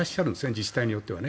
自治体によってはね。